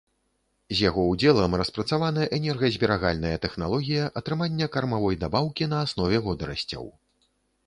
З яго ўдзелам распрацавана энергазберагальная тэхналогія атрымання кармавой дабаўкі на аснове водарасцяў.